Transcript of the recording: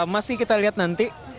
masih kita lihat nanti